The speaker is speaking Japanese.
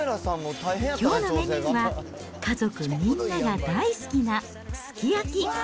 きょうのメニューは、家族みんなが大好きなすき焼き。